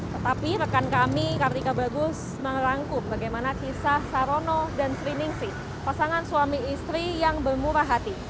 tetapi rekan kami kartika bagus merangkum bagaimana kisah sarono dan sri ningsi pasangan suami istri yang bermurah hati